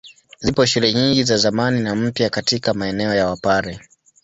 Zipo shule nyingi za zamani na mpya katika maeneo ya Wapare.